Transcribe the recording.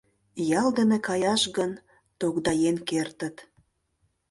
Ял дене каяш гын, тогдаен кертыт.